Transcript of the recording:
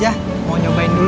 dua aja mau nyobain dua aja